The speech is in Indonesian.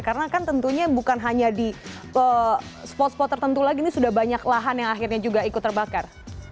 karena kan tentunya bukan hanya di spot spot tertentu lagi ini sudah banyak lahan yang akhirnya juga ikut terbakar